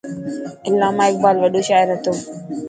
علامه اقبال وڏو شاعر هتو.